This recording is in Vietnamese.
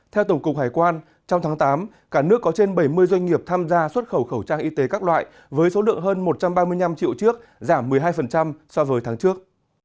theo tổng cục hải quan trong tháng tám cả nước có trên bảy mươi doanh nghiệp tham gia xuất khẩu khẩu trang y tế các loại với số lượng hơn một trăm ba mươi năm triệu trước giảm một mươi hai so với tháng trước